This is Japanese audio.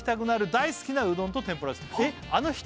「大好きなうどんと天ぷらです」